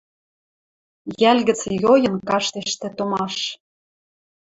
Йӓл гӹц йойын каштеш тӹ томаш.